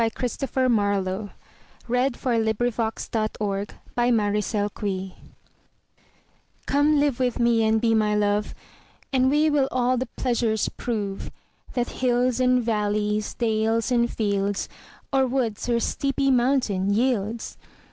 Christopher Marlowe. 1564–93 121. The Passionate Shepherd to His Love COME live with me and be my Love, And we will all the pleasures prove That hills and valleys, dales and fields, Or woods or steepy mountain yields.